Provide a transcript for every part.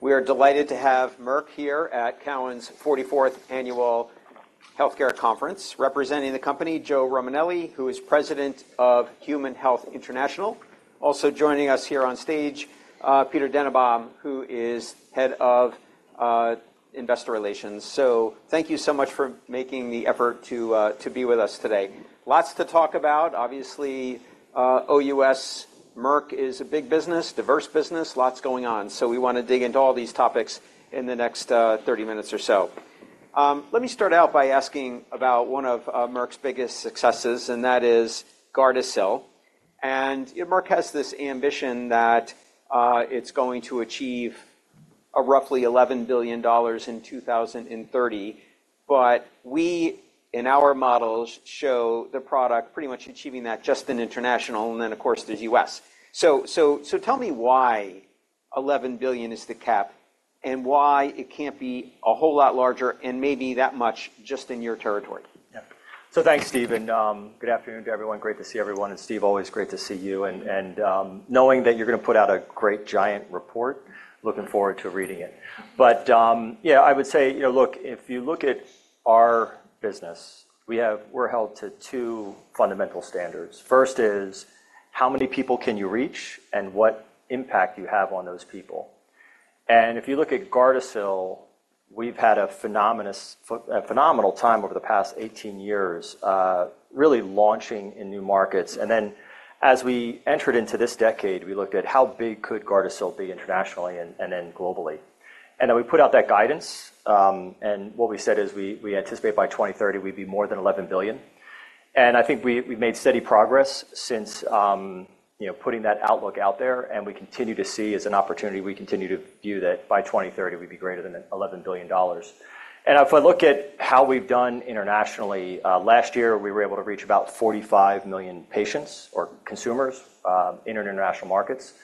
We are delighted to have Merck here at TD Cowen's 44th Annual Healthcare Conference, representing the company, Joe Romanelli, who is President of Human Health International. Also joining us here on stage, Peter Dannenbaum, who is Head of Investor Relations. So thank you so much for making the effort to be with us today. Lots to talk about. Obviously, OUS, Merck is a big business, diverse business, lots going on. So we wanna dig into all these topics in the next 30 minutes or so. Let me start out by asking about one of Merck's biggest successes, and that is GARDASIL. And, you know, Merck has this ambition that it's going to achieve roughly $11 billion in 2030. But we, in our models, show the product pretty much achieving that just in international, and then, of course, the U.S. So, tell me why $11 billion is the cap and why it can't be a whole lot larger and maybe that much just in your territory? Yeah. So thanks, Steve. And good afternoon to everyone. Great to see everyone. And Steve, always great to see you. And knowing that you're gonna put out a great giant report, looking forward to reading it. But yeah, I would say, you know, look, if you look at our business, we have we're held to two fundamental standards. First is how many people can you reach and what impact you have on those people. And if you look at GARDASIL, we've had a phenomenal time over the past 18 years, really launching in new markets. And then as we entered into this decade, we looked at how big could GARDASIL be internationally and then globally. And then we put out that guidance. And what we said is we anticipate by 2030, we'd be more than $11 billion. I think we've made steady progress since, you know, putting that outlook out there. We continue to see as an opportunity, we continue to view that by 2030, we'd be greater than $11 billion. If I look at how we've done internationally, last year, we were able to reach about 45 million patients or consumers in international markets.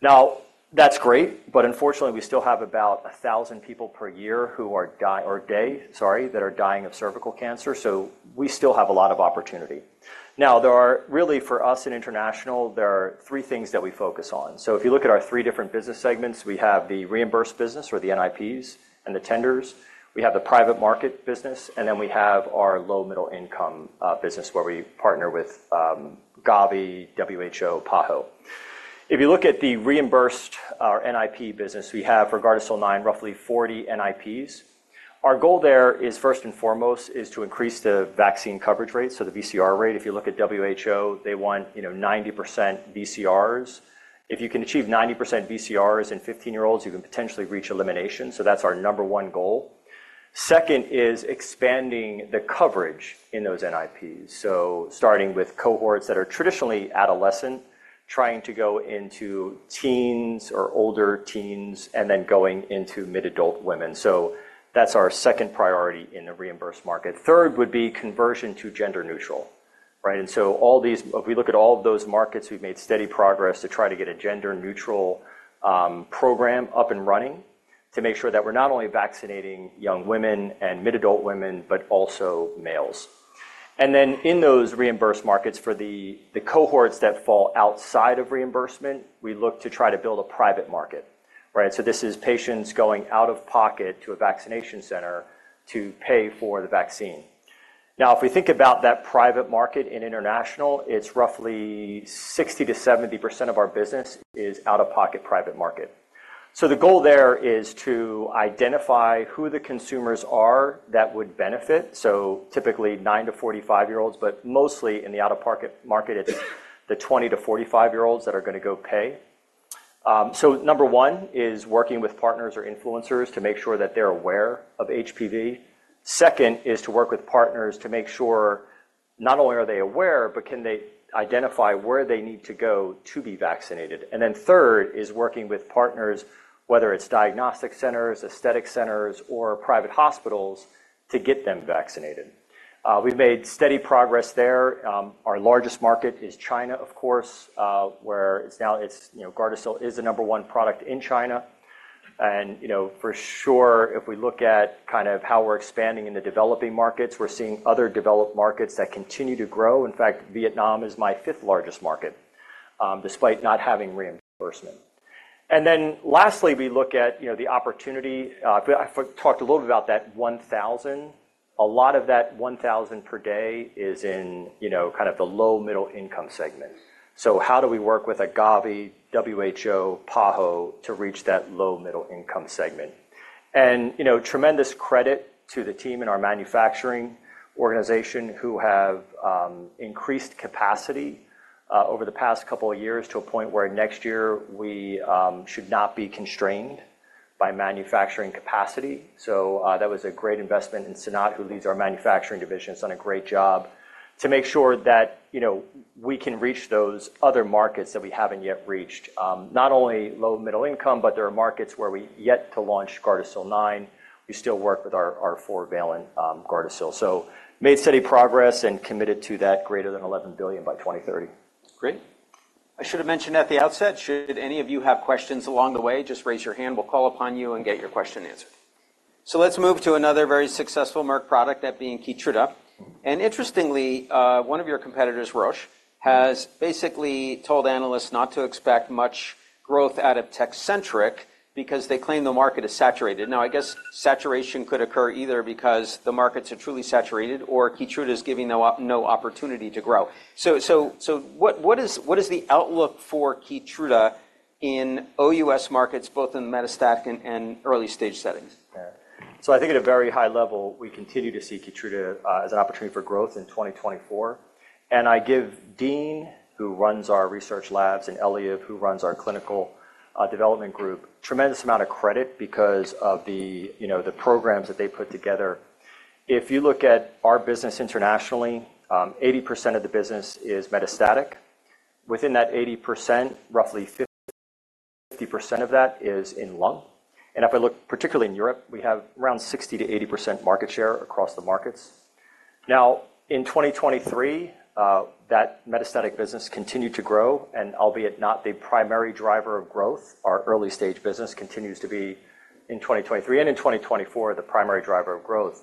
Now, that's great. But unfortunately, we still have about 1,000 people per year who are dying of cervical cancer. So we still have a lot of opportunity. Now, there are really, for us in international, there are three things that we focus on. So if you look at our three different business segments, we have the reimbursed business or the NIPs and the tenders. We have the private market business. And then we have our low-middle-income business where we partner with Gavi, WHO, PAHO. If you look at the reimbursed or NIP business, we have for GARDASIL 9 roughly 40 NIPs. Our goal there is, first and foremost, is to increase the vaccine coverage rate, so the VCR rate. If you look at WHO, they want, you know, 90% VCRs. If you can achieve 90% VCRs in 15-year-olds, you can potentially reach elimination. So that's our number one goal. Second is expanding the coverage in those NIPs, so starting with cohorts that are traditionally adolescent, trying to go into teens or older teens, and then going into mid-adult women. So that's our second priority in the reimbursed market. Third would be conversion to gender-neutral, right? And so all these if we look at all of those markets, we've made steady progress to try to get a gender-neutral program up and running to make sure that we're not only vaccinating young women and mid-adult women but also males. And then in those reimbursed markets, for the cohorts that fall outside of reimbursement, we look to try to build a private market, right? So this is patients going out of pocket to a vaccination center to pay for the vaccine. Now, if we think about that private market in international, it's roughly 60%-70% of our business is out-of-pocket private market. So the goal there is to identify who the consumers are that would benefit, so typically nine- to 45-year-olds. But mostly in the out-of-pocket market, it's the 20- to 45-year-olds that are gonna go pay. Number one is working with partners or influencers to make sure that they're aware of HPV. Second is to work with partners to make sure not only are they aware, but can they identify where they need to go to be vaccinated. Third is working with partners, whether it's diagnostic centers, aesthetic centers, or private hospitals, to get them vaccinated. We've made steady progress there. Our largest market is China, of course, where it's now it's, you know, GARDASIL is the number one product in China. And, you know, for sure, if we look at kind of how we're expanding in the developing markets, we're seeing other developed markets that continue to grow. In fact, Vietnam is my fifth-largest market, despite not having reimbursement. And then lastly, we look at, you know, the opportunity. I've talked a little bit about that 1,000. A lot of that 1,000 per day is in, you know, kind of the low-middle-income segment. So how do we work with a Gavi, WHO, PAHO to reach that low-middle-income segment? And, you know, tremendous credit to the team in our manufacturing organization who have increased capacity over the past couple of years to a point where next year, we should not be constrained by manufacturing capacity. So, that was a great investment in Sanat, who leads our manufacturing division. He's done a great job to make sure that, you know, we can reach those other markets that we haven't yet reached, not only low-middle-income, but there are markets where we yet to launch GARDASIL 9. We still work with our, our four-valent, GARDASIL. So made steady progress and committed to that greater than $11 billion by 2030. Great. I should have mentioned at the outset, should any of you have questions along the way, just raise your hand. We'll call upon you and get your question answered. So let's move to another very successful Merck product, that being KEYTRUDA. And interestingly, one of your competitors, Roche, has basically told analysts not to expect much growth out of TECENTRIQ because they claim the market is saturated. Now, I guess saturation could occur either because the markets are truly saturated or KEYTRUDA's giving them no opportunity to grow. So, what is the outlook for KEYTRUDA in OUS markets, both in metastatic and early-stage settings? Yeah. So I think at a very high level, we continue to see KEYTRUDA as an opportunity for growth in 2024. And I give Dean, who runs our research labs, and Eliav, who runs our clinical development group, a tremendous amount of credit because of the, you know, the programs that they put together. If you look at our business internationally, 80% of the business is metastatic. Within that 80%, roughly 50% of that is in lung. And if I look particularly in Europe, we have around 60%-80% market share across the markets. Now, in 2023, that metastatic business continued to grow. And albeit not the primary driver of growth, our early-stage business continues to be in 2023. And in 2024, the primary driver of growth.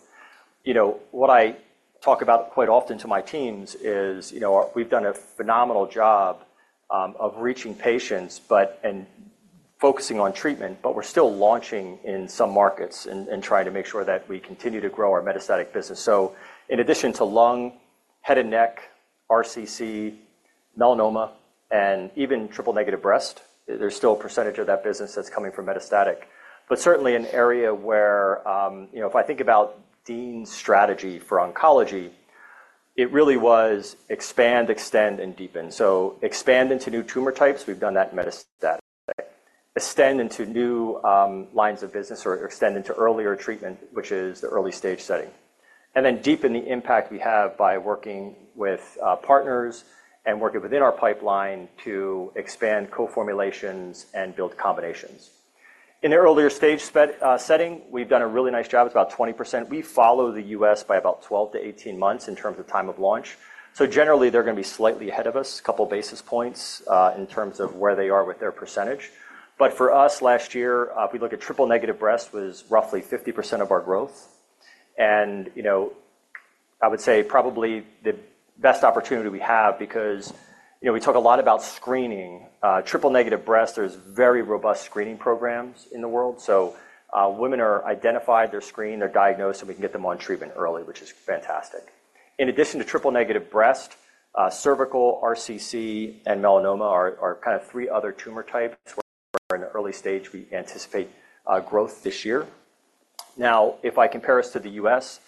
You know, what I talk about quite often to my teams is, you know, we've done a phenomenal job of reaching patients but and focusing on treatment. But we're still launching in some markets and, and trying to make sure that we continue to grow our metastatic business. So in addition to lung, head and neck, RCC, melanoma, and even triple-negative breast, there's still a percentage of that business that's coming from metastatic. But certainly an area where, you know, if I think about Dean's strategy for oncology, it really was expand, extend, and deepen. So expand into new tumor types. We've done that metastatic. Extend into new lines of business or extend into earlier treatment, which is the early-stage setting. And then deepen the impact we have by working with partners and working within our pipeline to expand coformulations and build combinations. In the earlier-stage setting, we've done a really nice job. It's about 20%. We follow the U.S. by about 12-18 months in terms of time of launch. So generally, they're gonna be slightly ahead of us, a couple of basis points, in terms of where they are with their percentage. But for us, last year, if we look at triple-negative breast, it was roughly 50% of our growth. And, you know, I would say probably the best opportunity we have because, you know, we talk a lot about screening. Triple-negative breast, there's very robust screening programs in the world. So, women are identified, they're screened, they're diagnosed, and we can get them on treatment early, which is fantastic. In addition to triple-negative breast, cervical, RCC, and melanoma are kind of three other tumor types where we're in early stage. We anticipate growth this year. Now, if I compare us to the U.S.,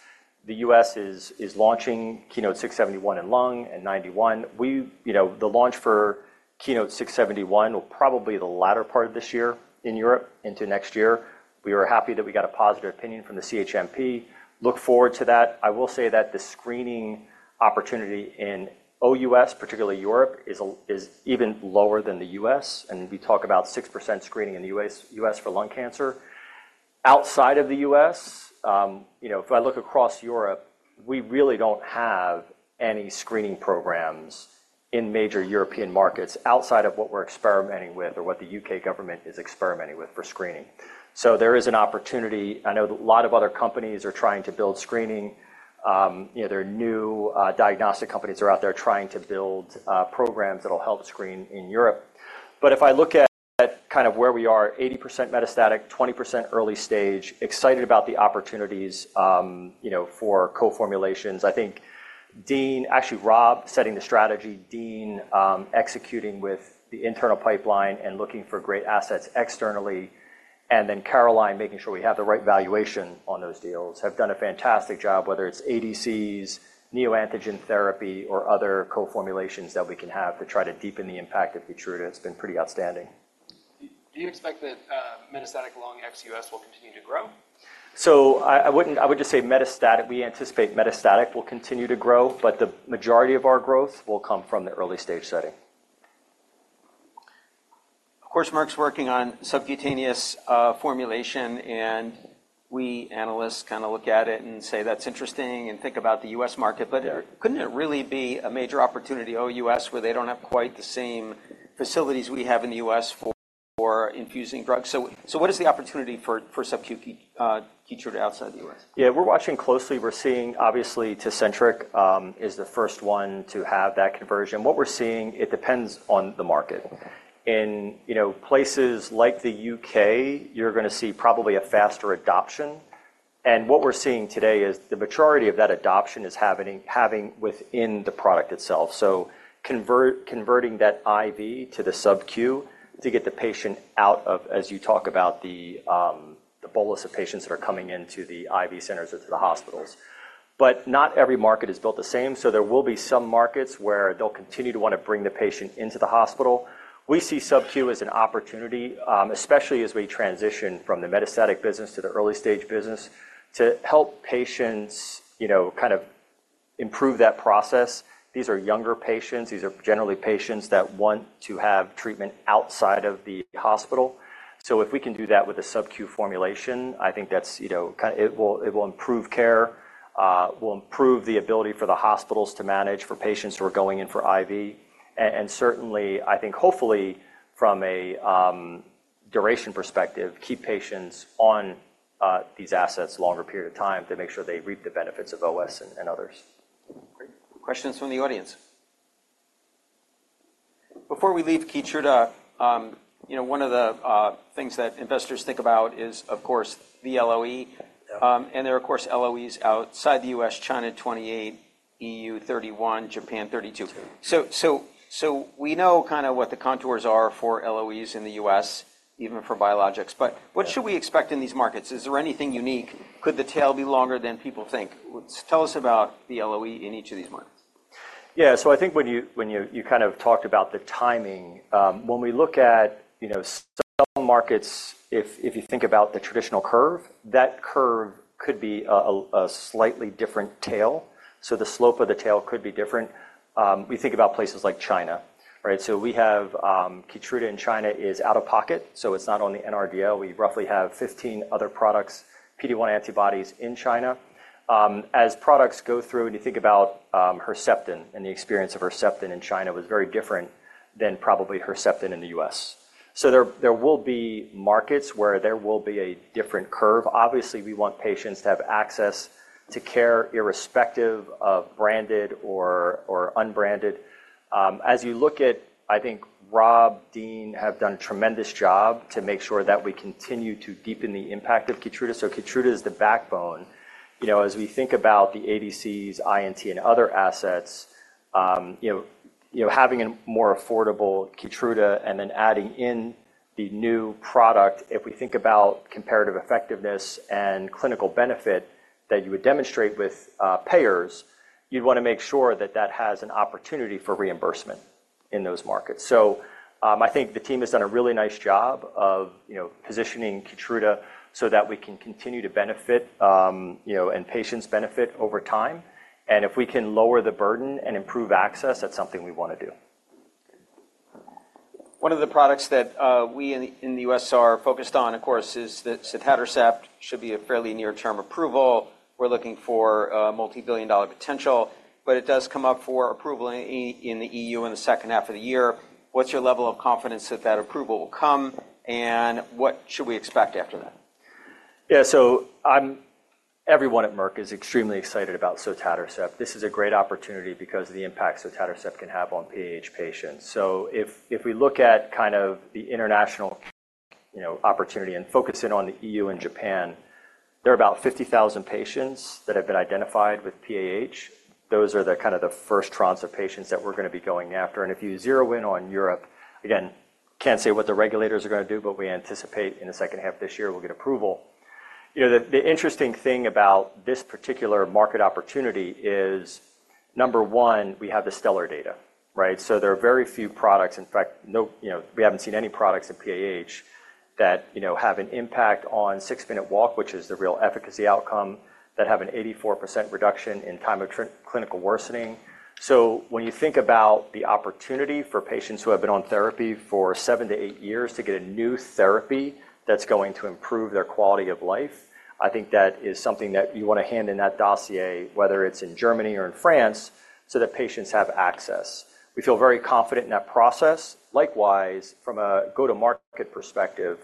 the U.S. is launching KEYNOTE-671 in lung and KEYNOTE-091. We, you know, the launch for KEYNOTE-671 will probably be the latter part of this year in Europe into next year. We were happy that we got a positive opinion from the CHMP. Look forward to that. I will say that the screening opportunity in OUS, particularly Europe, is even lower than the U.S. And we talk about 6% screening in the U.S. for lung cancer. Outside of the U.S., you know, if I look across Europe, we really don't have any screening programs in major European markets outside of what we're experimenting with or what the U.K. government is experimenting with for screening. So there is an opportunity. I know that a lot of other companies are trying to build screening. You know, there are new diagnostic companies that are out there trying to build programs that'll help screen in Europe. But if I look at kind of where we are, 80% metastatic, 20% early-stage, excited about the opportunities, you know, for coformulations. I think Dean actually, Rob, setting the strategy, Dean, executing with the internal pipeline and looking for great assets externally, and then Caroline, making sure we have the right valuation on those deals, have done a fantastic job, whether it's ADCs, neoantigen therapy, or other coformulations that we can have to try to deepen the impact of KEYTRUDA. It's been pretty outstanding. Do you expect that metastatic lung ex-U.S. will continue to grow? So, I would just say metastatic. We anticipate metastatic will continue to grow. But the majority of our growth will come from the early-stage setting. Of course, Merck's working on subcutaneous formulation. We analysts kind of look at it and say, "That's interesting," and think about the U.S. market. But couldn't it really be a major opportunity OUS where they don't have quite the same facilities we have in the U.S. for infusing drugs? So what is the opportunity for subcu KEYTRUDA outside the U.S.? Yeah. We're watching closely. We're seeing, obviously, TECENTRIQ is the first one to have that conversion. What we're seeing, it depends on the market. In, you know, places like the U.K., you're gonna see probably a faster adoption. And what we're seeing today is the majority of that adoption is happening within the product itself. So converting that IV to the subcu to get the patient out of, as you talk about, the bolus of patients that are coming into the IV centers or to the hospitals. But not every market is built the same. So there will be some markets where they'll continue to wanna bring the patient into the hospital. We see subcu as an opportunity, especially as we transition from the metastatic business to the early-stage business to help patients, you know, kind of improve that process. These are younger patients. These are generally patients that want to have treatment outside of the hospital. So if we can do that with a subcu formulation, I think that's, you know, kind of it will improve care, will improve the ability for the hospitals to manage for patients who are going in for IV. And certainly, I think hopefully, from a duration perspective, keep patients on these assets longer period of time to make sure they reap the benefits of OS and others. Great. Questions from the audience? Before we leave KEYTRUDA, you know, one of the things that investors think about is, of course, the LOE. And there are, of course, LOEs outside the U.S., China 28, EU 31, Japan 32. So we know kind of what the contours are for LOEs in the U.S., even for biologics. But what should we expect in these markets? Is there anything unique? Could the tail be longer than people think? Tell us about the LOE in each of these markets. Yeah. So I think when you kind of talked about the timing, when we look at, you know, some markets, if you think about the traditional curve, that curve could be a slightly different tail. So the slope of the tail could be different. We think about places like China, right? So we have, KEYTRUDA in China is out-of-pocket. So it's not on the NRDL. We roughly have 15 other products, PD-1 antibodies, in China. As products go through, and you think about, Herceptin and the experience of Herceptin in China was very different than probably Herceptin in the U.S. So there will be markets where there will be a different curve. Obviously, we want patients to have access to care irrespective of branded or unbranded. As you look at, I think Rob, Dean have done a tremendous job to make sure that we continue to deepen the impact of KEYTRUDA. So KEYTRUDA is the backbone. You know, as we think about the ADCs, INT, and other assets, you know, you know, having a more affordable KEYTRUDA and then adding in the new product, if we think about comparative effectiveness and clinical benefit that you would demonstrate with payers, you'd wanna make sure that that has an opportunity for reimbursement in those markets. So, I think the team has done a really nice job of, you know, positioning KEYTRUDA so that we can continue to benefit, you know, and patients benefit over time. And if we can lower the burden and improve access, that's something we wanna do. One of the products that we in the U.S. are focused on, of course, is that sotatercept should be a fairly near-term approval. We're looking for multibillion-dollar potential. But it does come up for approval in the EU in the second half of the year. What's your level of confidence that that approval will come? And what should we expect after that? Yeah. So, everyone at Merck is extremely excited about sotatercept. This is a great opportunity because of the impact sotatercept can have on PAH patients. So if we look at kind of the international, you know, opportunity and focus in on the EU and Japan, there are about 50,000 patients that have been identified with PAH. Those are the kind of the first tranche of patients that we're gonna be going after. And if you zero in on Europe, again, can't say what the regulators are gonna do, but we anticipate in the second half of this year, we'll get approval. You know, the interesting thing about this particular market opportunity is, number one, we have the STELLAR data, right? So there are very few products in fact, no, you know, we haven't seen any products in PAH that, you know, have an impact on six-minute walk, which is the real efficacy outcome, that have an 84% reduction in time to clinical worsening. So when you think about the opportunity for patients who have been on therapy for seven to eight years to get a new therapy that's going to improve their quality of life, I think that is something that you wanna include in that dossier, whether it's in Germany or in France, so that patients have access. We feel very confident in that process. Likewise, from a go-to-market perspective,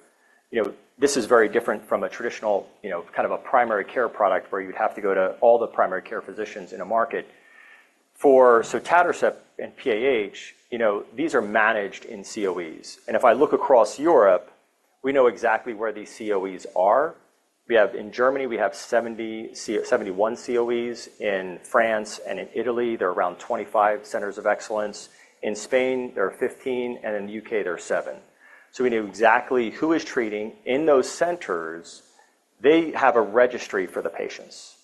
you know, this is very different from a traditional, you know, kind of a primary care product where you'd have to go to all the primary care physicians in a market. For sotatercept and PAH, you know, these are managed in COEs. If I look across Europe, we know exactly where these COEs are. We have in Germany, we have 70 or 71 COEs. In France and in Italy, there are around 25 centers of excellence. In Spain, there are 15. And in the U.K., there are 7. So we know exactly who is treating. In those centers, they have a registry for the patients.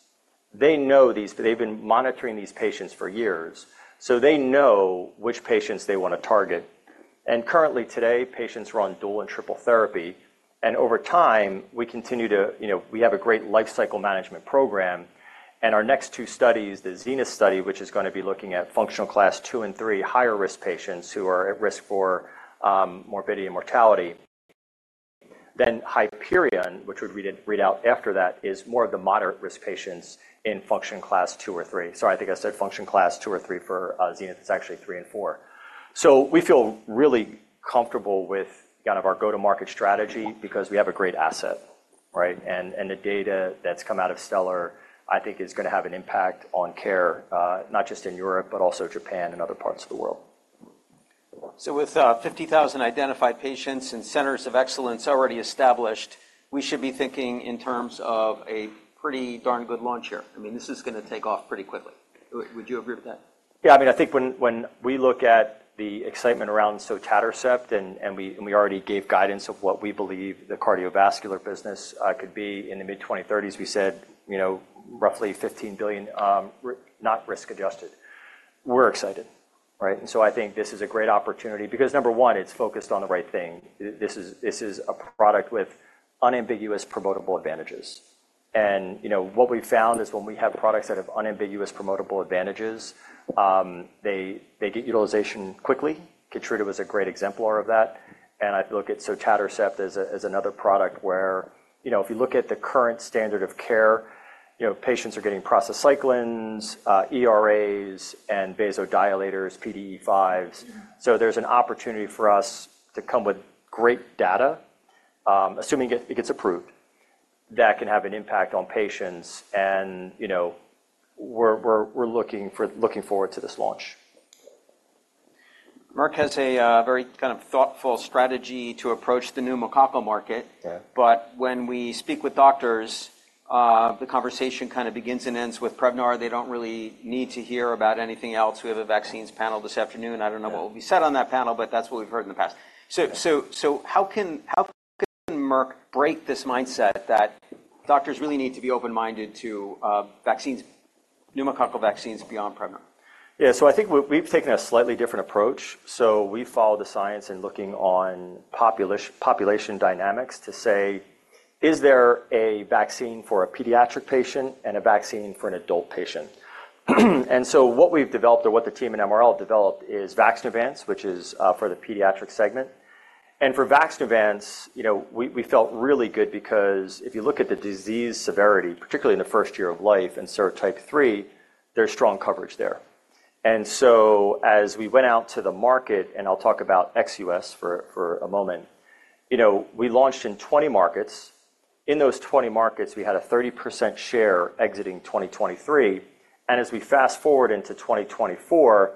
They know these. They've been monitoring these patients for years. So they know which patients they wanna target. And currently today, patients are on dual and triple therapy. And over time, we continue to, you know, we have a great lifecycle management program. Our next two studies, the ZENITH study, which is gonna be looking at functional class 2 and 3, higher-risk patients who are at risk for morbidity and mortality, then HYPERION, which we read out after that, is more of the moderate-risk patients in functional class 2 or 3. Sorry. I think I said functional class 2 or 3 for ZENITH. It's actually 3 and 4. So we feel really comfortable with kind of our go-to-market strategy because we have a great asset, right? And the data that's come out of STELLAR, I think, is gonna have an impact on care, not just in Europe but also Japan and other parts of the world. So with 50,000 identified patients and centers of excellence already established, we should be thinking in terms of a pretty darn good launch here. I mean, this is gonna take off pretty quickly. Would you agree with that? Yeah. I mean, I think when we look at the excitement around sotatercept and we already gave guidance of what we believe the cardiovascular business could be in the mid-2030s, we said, you know, roughly $15 billion, not risk-adjusted. We're excited, right? And so I think this is a great opportunity because, number one, it's focused on the right thing. This is a product with unambiguous promotable advantages. And, you know, what we found is when we have products that have unambiguous promotable advantages, they get utilization quickly. KEYTRUDA was a great exemplar of that. And I look at sotatercept as another product where, you know, if you look at the current standard of care, you know, patients are getting prostacyclins, ERAs, and vasodilators, PDE5s. So there's an opportunity for us to come with great data, assuming it gets approved, that can have an impact on patients. And, you know, we're looking forward to this launch. Merck has a very kind of thoughtful strategy to approach the new pneumococcal market. Yeah. But when we speak with doctors, the conversation kind of begins and ends with Prevnar. They don't really need to hear about anything else. We have a vaccines panel this afternoon. I don't know what will be said on that panel, but that's what we've heard in the past. So, how can Merck break this mindset that doctors really need to be open-minded to new pneumococcal vaccines beyond Prevnar? Yeah. So I think we've taken a slightly different approach. So we follow the science in looking at population dynamics to say, is there a vaccine for a pediatric patient and a vaccine for an adult patient? And so what we've developed or what the team in MRL developed is VAXNEUVANCE, which is for the pediatric segment. And for VAXNEUVANCE, you know, we felt really good because if you look at the disease severity, particularly in the first year of life and serotype 3, there's strong coverage there. And so as we went out to the market and I'll talk about ex-U.S. for a moment, you know, we launched in 20 markets. In those 20 markets, we had a 30% share exiting 2023. As we fast-forward into 2024,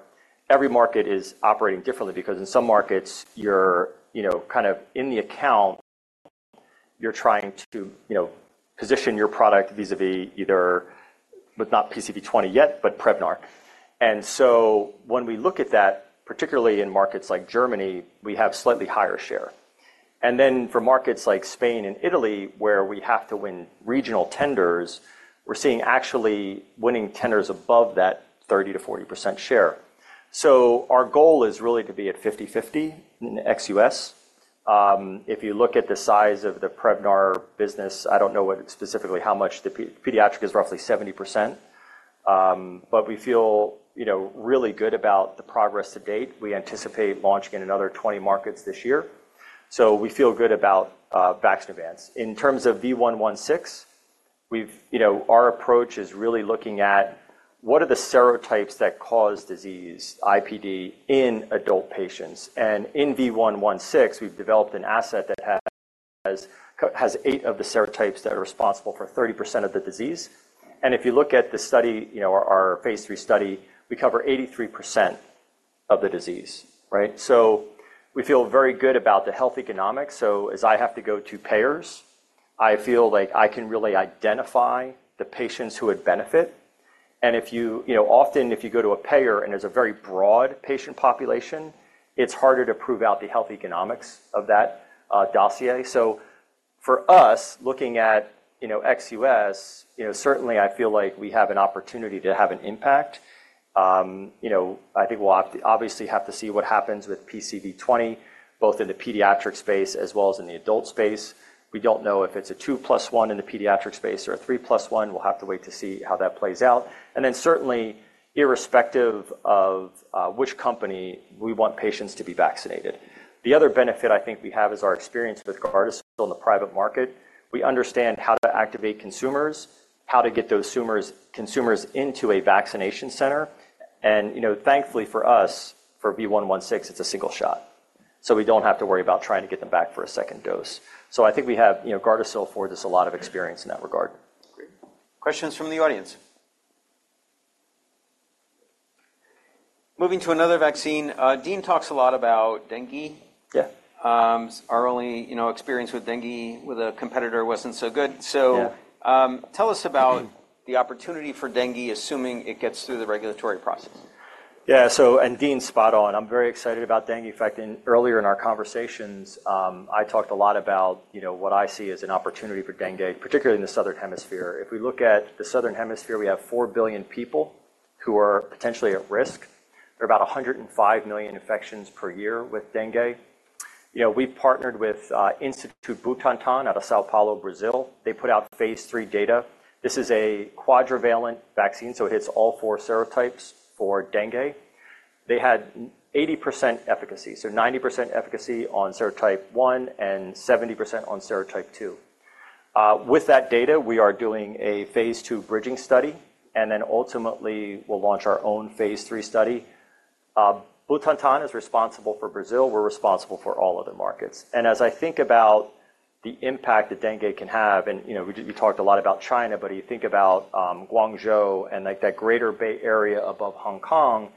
every market is operating differently because in some markets, you're, you know, kind of in the account, you're trying to, you know, position your product vis-à-vis either but not PCV20 yet but Prevnar. And so when we look at that, particularly in markets like Germany, we have slightly higher share. And then for markets like Spain and Italy, where we have to win regional tenders, we're seeing actually winning tenders above that 30%-40% share. So our goal is really to be at 50/50 in ex-U.S. If you look at the size of the Prevnar business, I don't know what specifically how much the pediatric is, roughly 70%. But we feel, you know, really good about the progress to date. We anticipate launching in another 20 markets this year. So we feel good about VAXNEUVANCE. In terms of V116, we've, you know, our approach is really looking at what are the serotypes that cause disease, IPD, in adult patients? In V116, we've developed an asset that has eight of the serotypes that are responsible for 30% of the disease. If you look at the study, you know, our phase III study, we cover 83% of the disease, right? So we feel very good about the health economics. So as I have to go to payers, I feel like I can really identify the patients who would benefit. If you, you know, often, if you go to a payer and there's a very broad patient population, it's harder to prove out the health economics of that, dossier. For us, looking at, you know, ex-U.S., you know, certainly, I feel like we have an opportunity to have an impact. You know, I think we'll obviously have to see what happens with PCV20, both in the pediatric space as well as in the adult space. We don't know if it's a 2 + 1 in the pediatric space or a 3 + 1. We'll have to wait to see how that plays out. And then certainly, irrespective of which company, we want patients to be vaccinated. The other benefit I think we have is our experience with GARDASIL in the private market. We understand how to activate consumers, how to get those consumers into a vaccination center. And, you know, thankfully for us, for V116, it's a single shot. So we don't have to worry about trying to get them back for a second dose. So I think we have, you know, GARDASIL affords us a lot of experience in that regard. Great. Questions from the audience? Moving to another vaccine, Dean talks a lot about dengue. Yeah. Our only, you know, experience with dengue with a competitor wasn't so good. So. Yeah. Tell us about the opportunity for dengue, assuming it gets through the regulatory process. Yeah. So and Dean's spot on. I'm very excited about dengue. In fact, in earlier conversations, I talked a lot about, you know, what I see as an opportunity for dengue, particularly in the southern hemisphere. If we look at the southern hemisphere, we have four billion people who are potentially at risk. There are about 105 million infections per year with dengue. You know, we partnered with Instituto Butantan out of São Paulo, Brazil. They put out phase III data. This is a quadrivalent vaccine. So it hits all four serotypes for dengue. They had 80% efficacy, so 90% efficacy on serotype 1 and 70% on serotype 2. With that data, we are doing a phase II bridging study. And then ultimately, we'll launch our own phase III study. Butantan is responsible for Brazil. We're responsible for all other markets. As I think about the impact that dengue can have and, you know, we just, you talked a lot about China. But if you think about Guangzhou and, like, that greater Bay Area above Hong Kong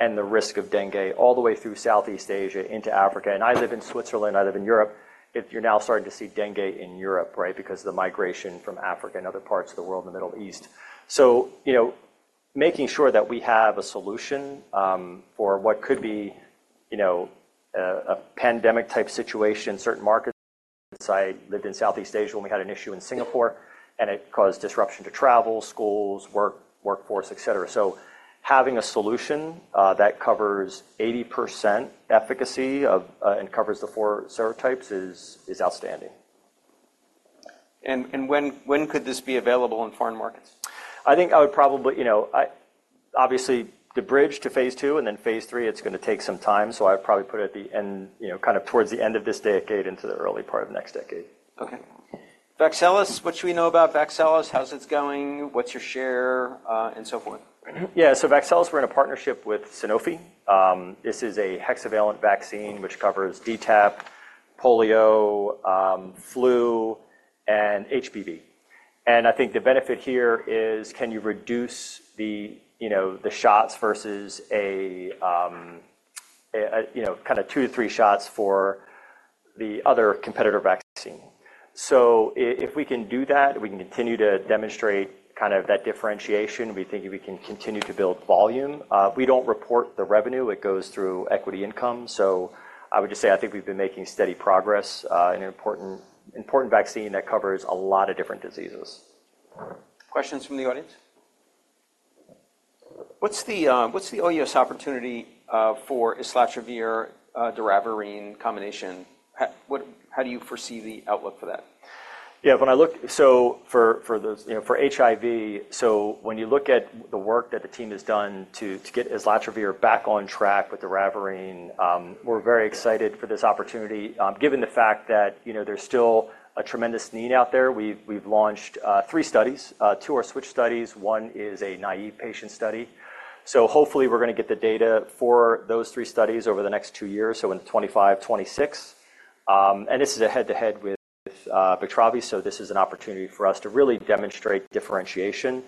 and the risk of dengue all the way through Southeast Asia into Africa and I live in Switzerland. I live in Europe. If you're now starting to see dengue in Europe, right, because of the migration from Africa and other parts of the world, the Middle East. So, you know, making sure that we have a solution for what could be, you know, a pandemic-type situation, certain markets. I lived in Southeast Asia when we had an issue in Singapore. And it caused disruption to travel, schools, work, workforce, etc. So having a solution that covers 80% efficacy and covers the four serotypes is outstanding. When could this be available in foreign markets? I think I would probably, you know, I obviously, the bridge to phase II and then phase III, it's gonna take some time. So I'd probably put it at the end, you know, kind of towards the end of this decade into the early part of next decade. Okay. VAXELIS, what do we know about VAXELIS? How's it going? What's your share, and so forth? Yeah. So VAXELIS, we're in a partnership with Sanofi. This is a hexavalent vaccine which covers DTaP, polio, flu, and HPV. And I think the benefit here is, can you reduce the, you know, the shots versus a you know kind of two-three shots for the other competitor vaccine? So if we can do that, we can continue to demonstrate kind of that differentiation. We think we can continue to build volume. We don't report the revenue. It goes through equity income. So I would just say, I think we've been making steady progress, an important, important vaccine that covers a lot of different diseases. Questions from the audience? What's the OUS opportunity for doravirine/islatravir combination? How do you foresee the outlook for that? Yeah. When I look so for those, you know, for HIV, so when you look at the work that the team has done to get islatravir back on track with doravirine, we're very excited for this opportunity, given the fact that, you know, there's still a tremendous need out there. We've launched three studies, two are switch studies. One is a naive patient study. So hopefully, we're gonna get the data for those three studies over the next two years, so in 2025, 2026. And this is a head-to-head with Biktarvy. So this is an opportunity for us to really demonstrate differentiation.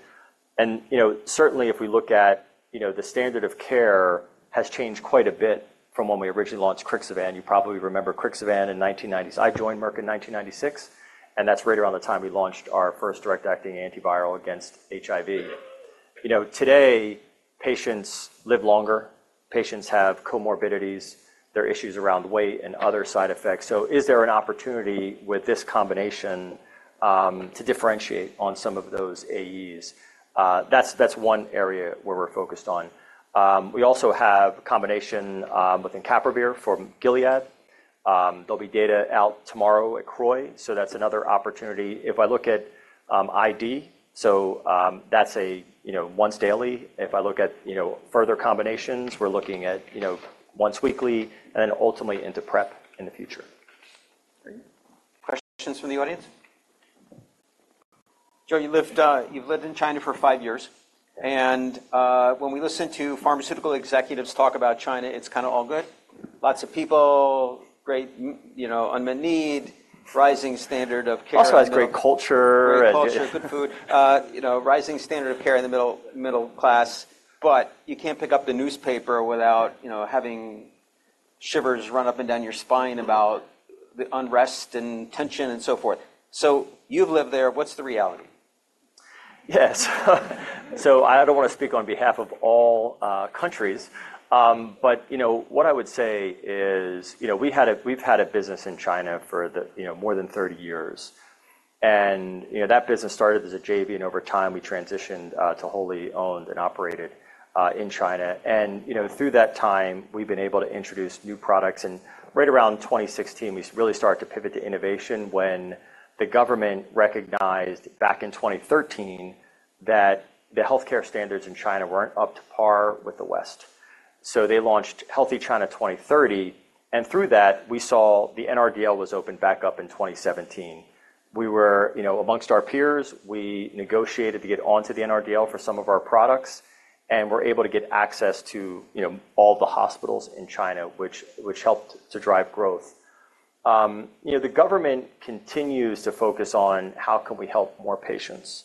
And, you know, certainly, if we look at, you know, the standard of care has changed quite a bit from when we originally launched CRIXIVAN. You probably remember CRIXIVAN in 1990s. I joined Merck in 1996. That's right around the time we launched our first direct-acting antiviral against HIV. You know, today, patients live longer. Patients have comorbidities. There are issues around weight and other side effects. So is there an opportunity with this combination, to differentiate on some of those AEs? That's one area where we're focused on. We also have combination with lenacapavir for Gilead. There'll be data out tomorrow at CROI. So that's another opportunity. If I look at islatravir, so that's a you know, once daily. If I look at you know, further combinations, we're looking at you know, once weekly and then ultimately into PrEP in the future. Great. Questions from the audience? Joe, you lived, you've lived in China for five years. When we listen to pharmaceutical executives talk about China, it's kind of all good. Lots of people, great, you know, unmet need, rising standard of care. Also has great culture and great. Great culture, good food, you know, rising standard of care in the middle class. But you can't pick up the newspaper without, you know, having shivers run up and down your spine about the unrest and tension and so forth. So you've lived there. What's the reality? Yeah. So, I don't wanna speak on behalf of all countries. But, you know, what I would say is, you know, we've had a business in China for, you know, more than 30 years. And, you know, that business started as a JV. And over time, we transitioned to wholly owned and operated in China. And, you know, through that time, we've been able to introduce new products. And right around 2016, we really started to pivot to innovation when the government recognized back in 2013 that the healthcare standards in China weren't up to par with the West. So they launched Healthy China 2030. And through that, we saw the NRDL was opened back up in 2017. We were, you know, amongst our peers. We negotiated to get onto the NRDL for some of our products. We're able to get access to, you know, all the hospitals in China, which helped to drive growth. You know, the government continues to focus on, how can we help more patients?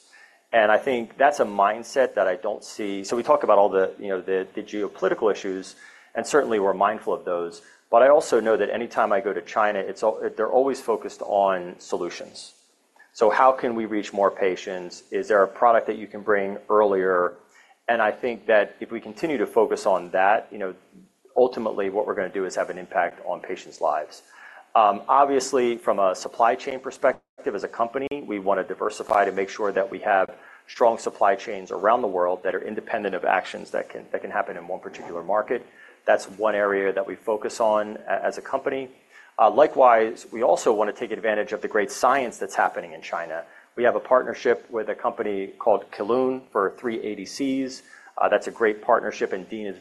And I think that's a mindset that I don't see. So we talk about all the, you know, the geopolitical issues. And certainly, we're mindful of those. But I also know that anytime I go to China, it's always, they're always focused on solutions. So how can we reach more patients? Is there a product that you can bring earlier? And I think that if we continue to focus on that, you know, ultimately, what we're gonna do is have an impact on patients' lives. Obviously, from a supply chain perspective, as a company, we wanna diversify to make sure that we have strong supply chains around the world that are independent of actions that can happen in one particular market. That's one area that we focus on as a company. Likewise, we also wanna take advantage of the great science that's happening in China. We have a partnership with a company called Kelun-Biotech for three ADCs. That's a great partnership. And Dean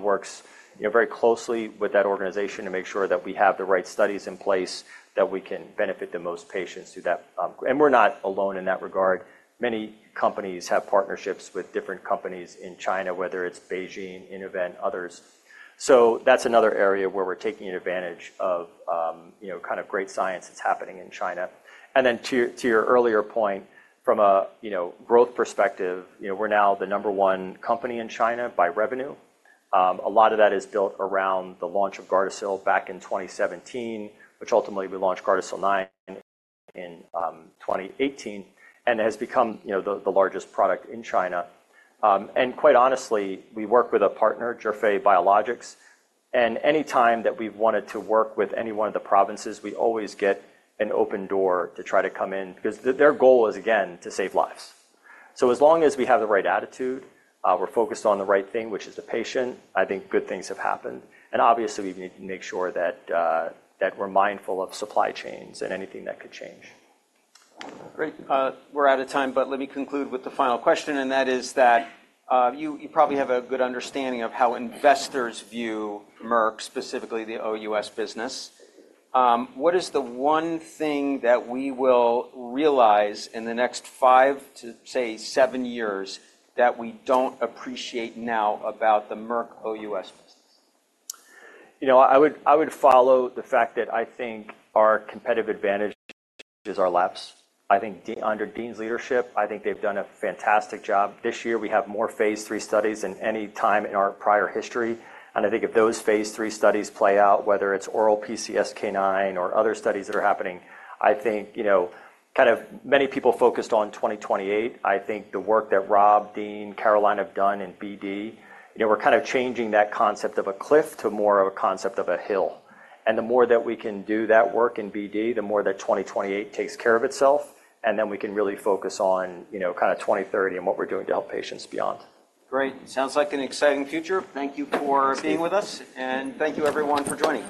works, you know, very closely with that organization to make sure that we have the right studies in place that we can benefit the most patients through that, and we're not alone in that regard. Many companies have partnerships with different companies in China, whether it's BeiGene, Innovent Biologics, others. So that's another area where we're taking advantage of, you know, kind of great science that's happening in China. To your earlier point, from a growth perspective, you know, we're now the number one company in China by revenue. A lot of that is built around the launch of GARDASIL back in 2017, which ultimately, we launched GARDASIL 9 in 2018. It has become, you know, the largest product in China. And quite honestly, we work with a partner, Chongqing Zhifei Biological Products. And anytime that we've wanted to work with any one of the provinces, we always get an open door to try to come in because their goal is, again, to save lives. So as long as we have the right attitude, we're focused on the right thing, which is the patient, I think good things have happened. And obviously, we need to make sure that we're mindful of supply chains and anything that could change. Great. We're out of time. But let me conclude with the final question. And that is that, you, you probably have a good understanding of how investors view Merck, specifically the ex-U.S. business. What is the one thing that we will realize in the next five to, say, seven years that we don't appreciate now about the Merck ex-U.S. business? You know, I would follow the fact that I think our competitive advantage is our labs. I think Dean under Dean's leadership, I think they've done a fantastic job. This year, we have more phase III studies than any time in our prior history. And I think if those phase III studies play out, whether it's oral PCSK9 or other studies that are happening, I think, you know, kind of many people focused on 2028. I think the work that Rob, Dean, Caroline have done in BD, you know, we're kind of changing that concept of a cliff to more of a concept of a hill. And the more that we can do that work in BD, the more that 2028 takes care of itself. And then we can really focus on, you know, kind of 2030 and what we're doing to help patients beyond. Great. Sounds like an exciting future. Thank you for being with us. Thank you, everyone, for joining.